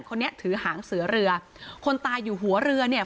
คนนี้ถือหางเสือเรือคนตายอยู่หัวเรือเนี่ย